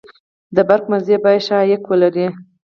• د برېښنا مزي باید ښه عایق ولري.